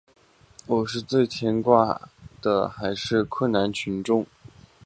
我最牵挂的还是困难群众。